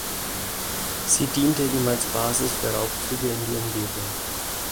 Sie diente ihm als Basis für Raubzüge in die Umgebung.